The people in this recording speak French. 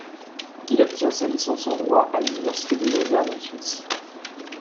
Il obtient sa licence en droit à l'université de Lausanne en Suisse.